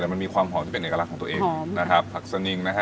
แต่มันมีความหอมที่เป็นเอกลักษณ์ของตัวเองนะครับผักสนิงนะฮะ